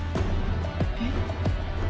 えっ？